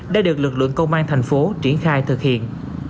đã được lực lượng công an thành phố triển khai thực hiện